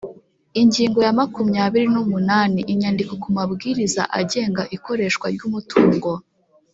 Ingingo ya makumyabiri n’umunani: Inyandiko ku mabwiriza agenga ikoreshwa ry’umutungo